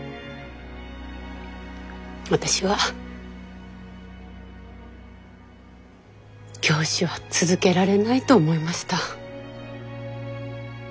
私は教師は続けられないと思いました。